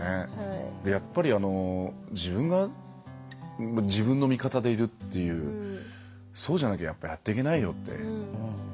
やっぱり、自分が自分の味方でいるっていうそうじゃなきゃやっぱやっていけないよって。